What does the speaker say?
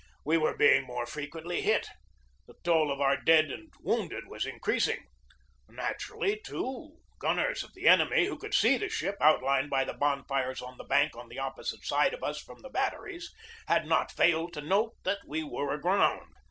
We were being more frequently hit; the toll of our dead and wounded was increasing. Naturally, too, gun ners of the enemy, who could see the ship outlined by the bonfires on the bank on the opposite side of us from the batteries, had not failed to note that we were aground.